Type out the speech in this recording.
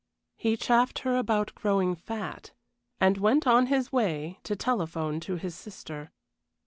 He chaffed her about growing fat, and went on his way to telephone to his sister.